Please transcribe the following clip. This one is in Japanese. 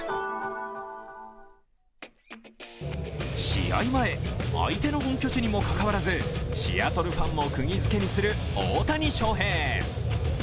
試合前、相手の本拠地にもかかわらずシアトルファンもクギづけにする大谷翔平。